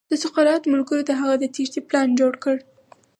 د سقراط ملګرو د هغه د تېښې پلان جوړ کړ.